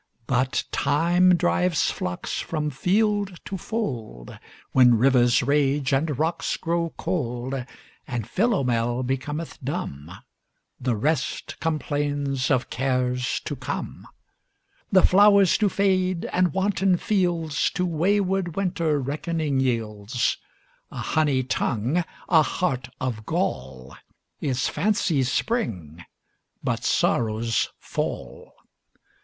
But Time drives flocks from field to fold; When rivers rage and rocks grow cold; And Philomel becometh dumb; The rest complains of cares to come. The flowers do fade, and wanton fieldsTo wayward Winter reckoning yields:A honey tongue, a heart of gall, Is fancy's spring, but sorrow's fall.